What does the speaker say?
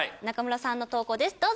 中村さんの投稿です。